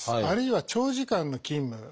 あるいは長時間の勤務。